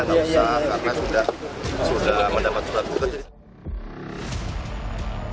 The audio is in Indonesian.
nggak usah karena sudah mendapat surat tugas